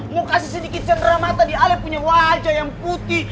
mau kasih sedikit sendera mata di ale punya wajah yang putih